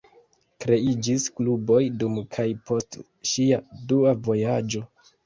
Kreiĝis kluboj dum kaj post ŝia dua vojaĝo.